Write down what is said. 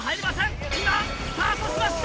今スタートしました！